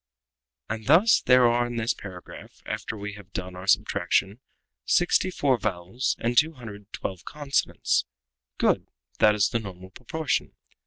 "And thus there are in this paragraph, after we have done our subtraction, sixty four vowels and two hundred and twelve consonants. Good! that is the normal proportion.